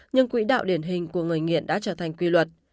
nhưng quỹ đạo điển hình của người nghiện đã trở thành quy luật